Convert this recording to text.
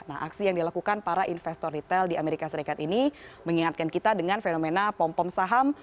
nah aksi yang dilakukan para investor retail di amerika serikat ini mengingatkan kita dengan fenomena pom pom saham